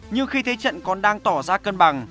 nhưng khi thế trận còn đang tỏ ra cân bằng